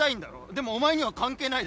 でもお前には関係ないだろ！